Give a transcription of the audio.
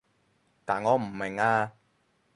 但我唔明啊